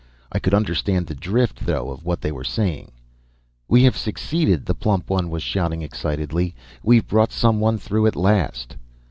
I could understand the drift, though, of what they were saying. "'We have succeeded!' the plump one was shouting excitedly. 'We've brought someone through at last!'